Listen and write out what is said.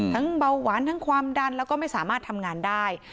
เบาหวานทั้งความดันแล้วก็ไม่สามารถทำงานได้